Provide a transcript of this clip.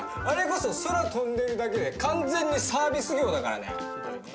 あれこそ空飛んでるだけで完全にサービス業だからね。